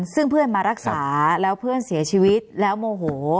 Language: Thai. ซึ่งเพื่อนมารักษาแล้วเพื่อนเสียชีวิตแล้วโมโห